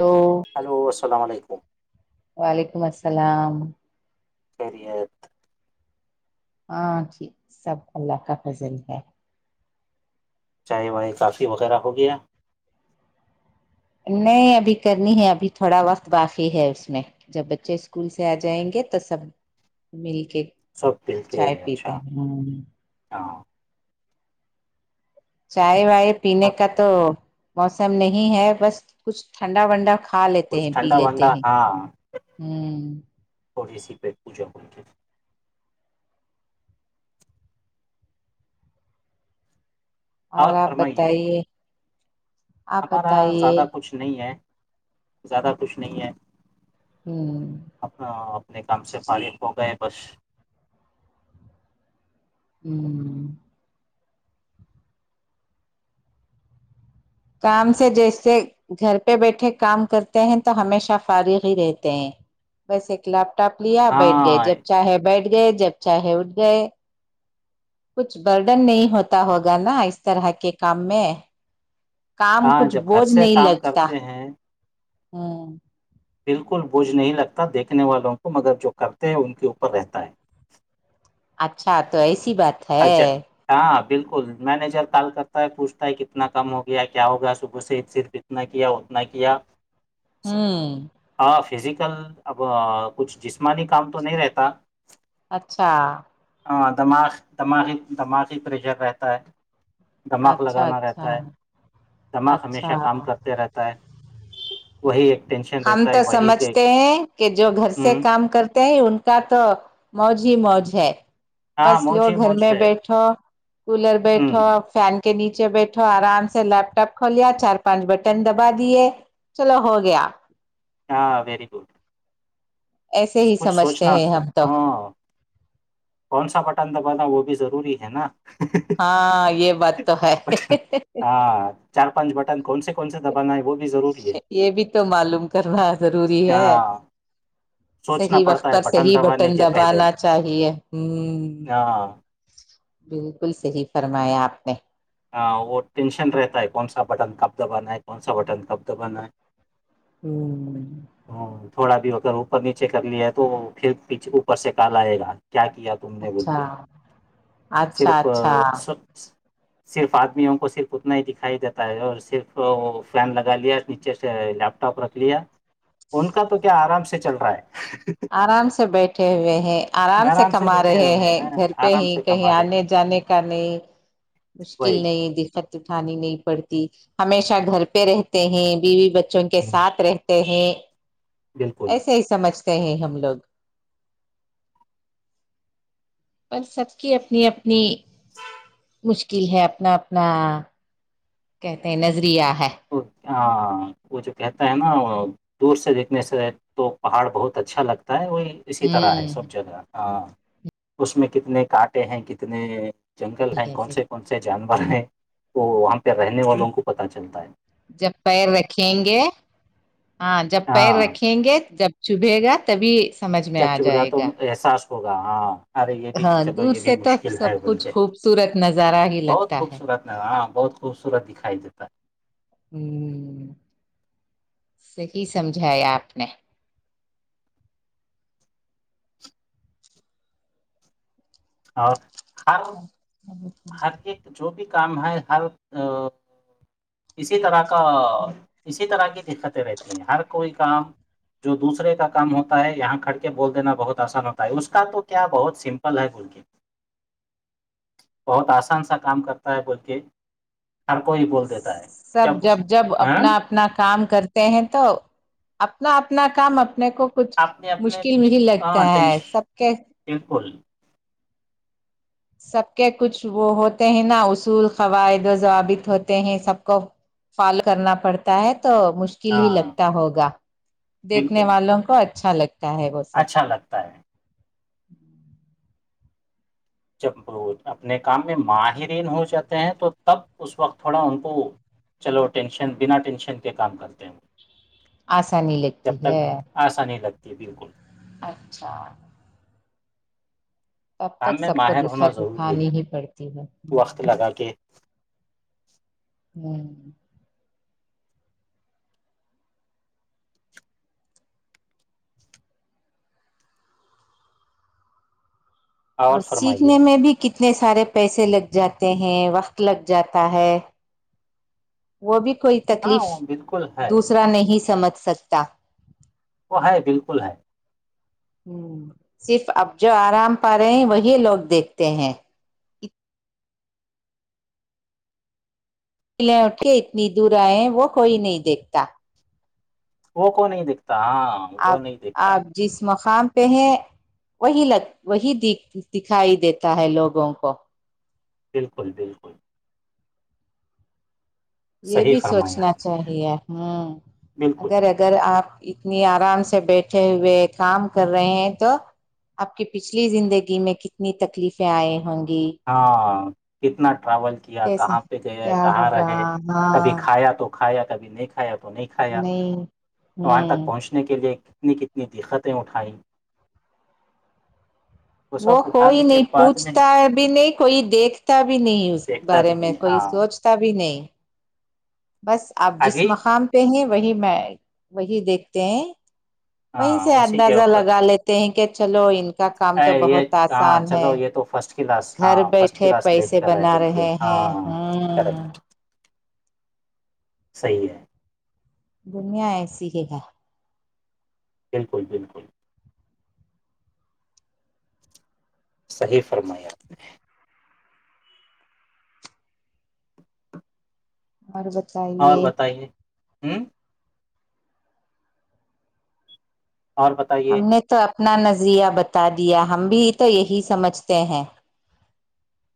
hello وعلیکم السلام خریعت ہاں ٹھیک سب اللہ کا فضل ہے چاہے وہ ایک سسی وغیرہ ہو گیا نہیں ابھی کرنی ہے ابھی تھوڑا وقت باقی ہے اس میں جب بچے اسکول سے آ جائیں گے تو سب مل کے سب مل کے چائے پیتے اچھا ہیں ہوں، ہاں چائے وائے پنے اور کا تو موسم نہیں ہے بس کچھ ٹھنڈا ونڈا کھا لیتے کچھ ہیں پی ٹھنڈا لیتے ونڈا ہیں ہاں ہوں تھوڑی سی پوجا ہو کے اور آپ بتائیے آپ ہمارا بتائیے زیادہ کچھ نہیں ہے زیادہ کچھ نہیں ہے ہوں اپنا اپنے کام سے فارف ہو گئے بش ہوں کام سے جیسے گھر پہ بیٹھے کام کرتے ہیں تو ہمیشہ فارغ ہی رہتے ہیں بس الاب آپ لیا بیٹھ ہاں گئے جب چاہے بیٹھ گئے جب چاہے اھ گئے کچھ برڈن نہیں ہوتا ہوگا نا اس طرح کے کام میں کام ہاں کچھ جب گھر بوجھ سے نہیں کام لگتا کرتے ہیں ہاں بالکل بوجھ نہیں لگتا دیکھنے والوں کو مگر جو کرتے ہیں ان کے اوپر رہتا ہے اچھا تو ایسی بات ہے اچھا ہاں بالکل مینیجر تال کرتا ہے پوچھتا ہے کتنا کم ہو گیا کیا ہو گیا صبح سے صرف اتنا کیا اتنا کیا ہوں ہاں فزیکل اب کچھ جسمانی کام تو نہیں رہتا اچھا ہاں دماغ دماغی دماغی پریشر رہتا ہے دھمغ اچھا لگانا اچھا رہتا ہے دمغ ہمیشہ اچھا کام کرتے رہتا ہے وہی ایک ٹینشن ہم رہتا ہے تو وہی کہ سمجھتے ہیں کہ جو گھر سے ہوں کام کرتے ہیں ان کا تو موج ہی موج چھ ہاں بس موج لو ہی گھر موج میں ہے بیٹھو کولر ہوں بیٹھو فین کے نیچے پیچے بیٹھو آرام سے لیپ ٹاپ کھولیا چار پانچ بٹن دبا دیے چلو ہو گیا ہاں ویری گڈ ایسے ہی کچھ سمجھتے سوچنا ہیں ہم تو ہاں کون سا بٹن دبانا وہ بھی ضروری ہے نا ہاں یہ بات تو ہے ہاں چار پانچ کون سے کون سے دبانا ہے وہ بھی ضروری ہے یہ بھی تو معلوم کرنا ضروری ہے ہاں سوچنا صحیح وقت پڑتا ہے پر صحیح دبانے بٹن کے پہلے دبانا چاہیے ہ ہاں بالکل صحی فرمایا آپ نے ہ وہ ٹینشن رہتا ہے کون سا بٹن کب دبانا ہے کون سا بٹن کب دبانا ہے ہوں ہاں، تھوڑا بھی اگر اوپر نیچے کر لیا تو پھر پچے اوپر سے کال آئے گا کیا کیا تم نے بول اچھا کے اچھا صرف اچھا سب صرف آدمیوں کو صرف اتنا ہی دکھائی دیتا ہے اور صرف فین لگا لیا نیچے سے لیپ ٹاپ رکھ لیا ان کا تو کیا آرام سے چل رہا ہے آرام سے بیٹھے ہوئے ہیں ہے آرام سے کما بیٹھے رہے ہوئے ہیں گھر پہ آرام ہی سے کہیں کما رہے ہیں آنے جانے کا نہیں مشکل وہی نہیں دقت اٹھانی نہیں پڑتی ہمیشہ گھر پہ رہتے ہیں بیوی ب ان کے ہوں، ساتھ رہتے ہیں ہے بالکل ایسے ہی سمجھتے ہیں ہم لوگ پر سب کی اپنی اپنی مشکل ہے اپنا اپنا کہتے ہیں نظریہ ہاں تو وہ جو کہتا ہے نا دور سے دیکھنے سے تو پہاڑ بہت اچھا لگتا ہے وہی اسی طرح ہے ہوں سب جگہ ہاں اس میں کتنے کانٹے ہیں کتنے جنگل ہیں کون جیسے سے کون سے جانور ہیں وہ وہاں پہ رہنے والوں کو پتا چلتا ہے جب پیر رکھیں گے ہاں جب پیر ہاں رکھیں گے جب شبے گا تبھی سمجھ میں چپ آ چپڑ گا جائے تو احساس ہوگا ہاں ارے یہ بھی ہاں چلو دور یہ بھی سے تو مشکل ہے سب بول کچھ کے خوبصورت نظارہ ہی بہت لگتا ہے خوبصورت ن ہاں بہت خوبصورت دکھائی دیتا ہے سی سمجھایا آپ نے ہاں ہر ہر ایک جو بھی کام ہے ہر اسی طرح کا اسی طرح کی دقتیں رہتی ہیں ہر کوئی کام جو دوسرے کا کام ہوتا ہے یہاں کھڑ کے بول دینا بہت آسان ہوتا ہے اس کا تو کیا بہت سمپل ہے گلک بہت آسان سا کام کرتا ہے بلکہ سب جب جب ہاں اپنا اپنا کام کرتے ہیں تو اپنا اپنا کام اپ اپنے کو کچھ اپنے اپنے مشکل میں ہی ہاں لگتا ہے ٹینش سب کے بالکل سب کے کچھ وہ ہوتے ہیں نا اصول قواعد و ضوابط ہوتے ہیں سب کو فالو کرنا پڑتا ہے تو مشکل ہی ہاں لگتا ہوگا دیکھنے بالکل والوں کو اچھ چالک اچھا لگتا ہے جب وہ اپنے کام میں ماہرین ہو جاتے ہیں تو تب ا وقت تھوڑا ان کو چلو ٹینشن بنا ٹینشن کے کام کرتے آسانی لگتی ہے جی بالکل اچھا تب کام تک میں سب کو ماہر ہونا دقت ضروری ہے اٹھانی ہی پڑتی ہے وقت لگا کے ہوں اور سیکھنے میں بھی کتنے اتنے سارے پیسے لگ جاتے ہیں وقت لگ جاتا ہے وہ بھی کوئی ہاں تکلیف وہ بالکل ہے دوسرا نہیں سمجھ ست وہ ہے بالکل ہے صرف اب جو آرام پا رہے وہی لوگ دیکھتے ہیں پلیں اٹھے اتنی دور آئےیں وہ کوئی نہیں دیکھتا وہ کو نہیں دیکھتے ہاں وہ نہیں دیکھتا خام پہ ہیں وہی لگ وہی د دکھائی دیتا ہے لوگوں کو بالکل بالکل یہ صحیح بھی فرمایا سوچنا آپ چاہیے ہوں نے، بالکل اگر اگر آپ اتنی آرام سے بیٹھے ہوئے کام کر رہے ہیں تو آپ کی پچھلی زندگی میں کتنی تکلیفیں آئی ہوں گی ہاں کتنا ٹول کیا کیسے کہاں پہ گئے کیا کہاں ہوگا رہے کبھی ہاں کھایا تو ھایا کبھی نہیں کھ کھایا تو نہیں کھایا نہیں وہاں تک ہوں پہنچنے کے لیے کتنی کتنی دقتیں اٹھائیں وہ سب کوئی اٹھانے کے نہیں بعد میں پوچھتا بھی نہیں کوئی دیکھتا بھی نہیں اس دیکھتا بارے بھی نہیں میں کوئی ہاں سوچتا بھی نہیں بس آپ جس ابھی مقام پہ ہیں وہی میں وہی دیکھتے ہیں وہیں ہاں سے اندازہ لگا لیتے ہیں کہ چلو کا کام ا تو یہ بہت ہاں آسان چلو ہے یہ تو فرسٹ کلاس ہاں گھر فرسٹ بیٹھے کلاس ل پیسے کر رہے بنا بلک ہاں ہیں ہ کر ہاں صحیح ہے دنیا ایسی ہی گا بالکل بالکل صحیح فرمایا بربت اور بتائیے ہوں اور بتائیے نا نذیا بتا دیا ہم بھی تو یہی سمجھتے ہیں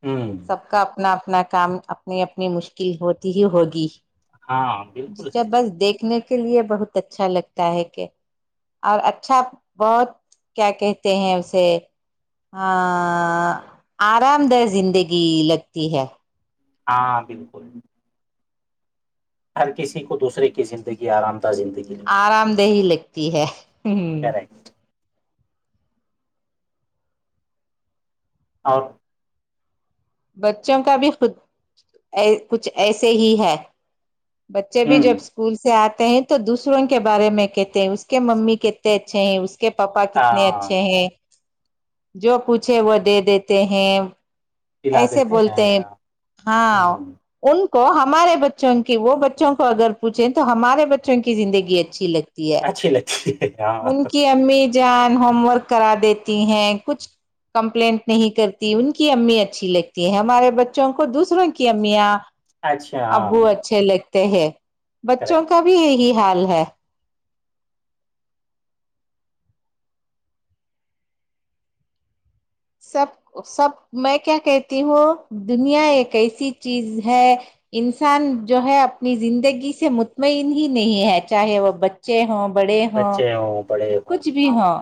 ہوں سب کا اپنا اپنا کام اپنی اپنی مشکل ہوتی ہی ہوگی ہاں بالکل جب ہے بس دیکھنے کے لیے بہت اچھا لگتا ہے کہ اور اچھا بہت کیا کہتے ہیں اسے آرام دہ زندگی لگتی ہے ہاں بالکل ہر کسی کو دوسرے کی زندگی آرام دہ زندگی آرام دہ ہی لے ہوتی ہے ہ کرریک اور بچوں کا بھی خود کچھ ایسے ہی ہے بچے بھی جب ہوں اسکول سے آتے ہیں تو دوسروں کے بارے میں کہتے ہیں اس کے ممی کتنے اچھے ہیں اس کے اس کے پاپا کتنے ہاں اچھے ہیں جو پوچھے وہ دے دیتے ہیں پلا ایسے دیتے بولتے ہیں ہاں ہوں ان کو ہمارے بچوں کے وہ بچوں کو اگر پوچھیں تو ہمارے بچوں کی زندگی اچھی لگتی ہے اچھی لگ ہاں ان کی امی جان ہوم ورک کرا دیتی ہیں کچھ کمپلینٹ نہیں کرتی ان کی امی اچھی لگتی ہے ہمارے بچوں کو دوسروں کی امیاں اچھا ابو ہاں اچھے ل ت ہیں بچوں کریکٹ کا بھی یہی حال ہے سب سب میں کیا کہتی ہوں دنیا ایک ایسی چیز ہے انسان جو ہے اپنی زندگی سے مطمئن ہی نہیں ہے چاہے وہ بچے ہوں بڑے ہوں بچے ہ ب کچھ بھی ہاں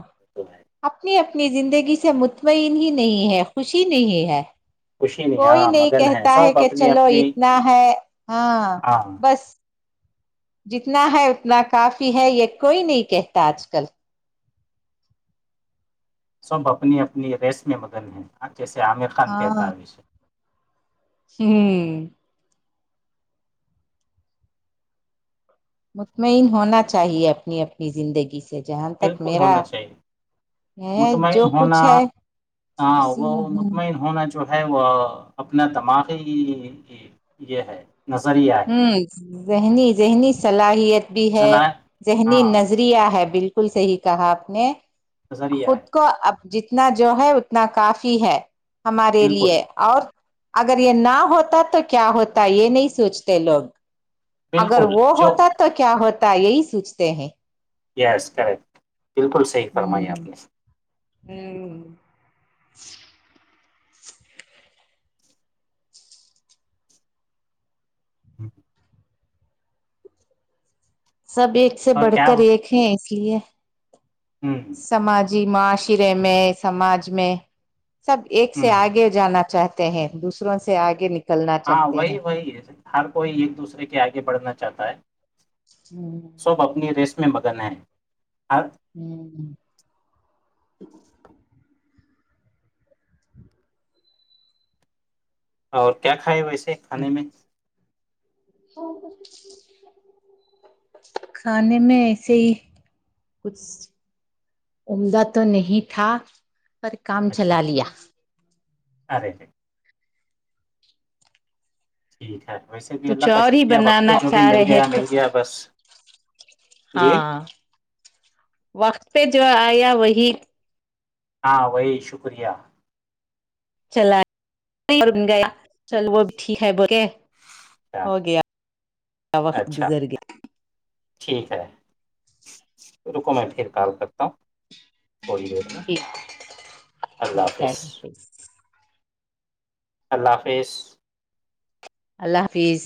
اپنی اپنی اپنی زندگی سے مطمئن ہی نہیں ہے خوشی نہیں ہے خوشی کوئی ہاں نہیں مگن ہیں کہتا ہے سب کہ اپنی چلو اپنی اتنا ہے ہاں ہاں بس جتنا ہے اتنا کافی ہے یہ کوئی نہیں کہتا آج کل سب اپنی اپنی ریس میں مدن ہیں جیسے عامر خان ہاں پیداروش ہے [inaudible] مطمئن ہونا چاہیے اپنی اپنی زندگی سے جہاں تک بالکل میرا ہونا چاہیے ہے مطمئن جو ہونا کچھ ہے ہاں اسی وہ میں ہوں مطمئن ہونا چاہے جو ہے وہ اپنا دماغی یہ ہے نظریہ ہے ہوں ذہنی ذہنی صلاحیت بھی ہے ذلائع ذہنی ہاں نظریہ ہے بالکل بالکل صحیح کہا آپ نے نظریہ خود ہے کو اب جتنا جو ہے اتنا کافی ہے ہمارے بالکل لیے اور اگر یہ نہ ہوتا تو کیا ہوتا یہ نہیں سوچتا تلگ اگر بالکل وہ جو ہوتا تو کیا ہوتا یہی سوچتے ہیں یس کا بالکل صحیح ہوں فرمائی آپ نے ہوں ہاں سب ایک سے اور بڑھ کیا کر ایک ہیں اس لیے ہوں جی معاشرے میں سماج میں سب ایک سے ہوں آگے جانا چاہتے ہیں دوسروں سے آگے نکل ہاں وہی وہی ہے ہر کوئی ایک دوسرے کے آگے بڑھنا چاہتا ہے ہ سب اپنی ریس میں مگن ہے ہاں، ہوں اور کیا کھائے ویسے سے کھانے میں کھانے میں ایسے ہی کچھ عمدہ تو نہیں تھا اور کام چلا لیا ارےے ٹھیک ہے ویسے بھی اللہ کچھ کا اور ہی شکریہ وقت پہ بنانا جو بھی چاہ مل رہے گیا تھے مل گیا بس جی ہاں وقت پہ جو آیا وہی ہاں وہی شکریہ چل گیا چل وہ بھی ٹھیک ہے بکے اچا وقت اچھا گزر گیا ٹھیک ہے رکو میں پھر پال سکتا ہوں تھوڑی دیر میں ٹھیک اللہ ٹھیک حافظ ہے اللہ حافظ اللہ حافظ اللہ حافظ